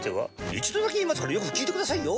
一度だけ言いますからよく聞いてくださいよ。